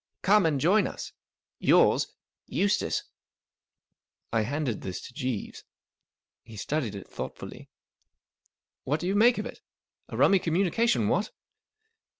Come and join us. u Yours, " Eustace." I handed this to Jeeves. He studied it thoughtfully. " What do you make of it ? A rummy communication, what